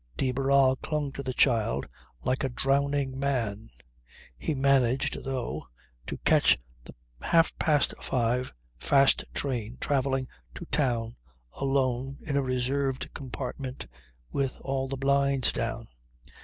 De Barral clung to the child like a drowning man. He managed, though, to catch the half past five fast train, travelling to town alone in a reserved compartment, with all the blinds down